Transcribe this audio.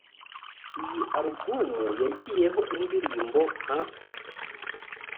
Iyi album yagiyeho indirimbo nka